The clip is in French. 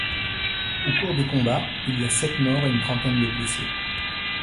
Au cours des combats, il y a sept morts et une trentaine de blessés.